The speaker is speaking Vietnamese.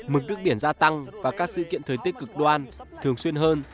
mực nước biển gia tăng và các sự kiện thời tiết cực đoan thường xuyên hơn